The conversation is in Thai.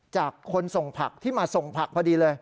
จากคนที่มาส่งผักพอดีเลย